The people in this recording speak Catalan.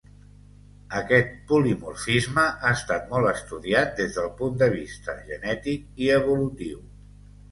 Aquest polimorfisme ha estat molt estudiat des del punt de vista genètic i evolutiu.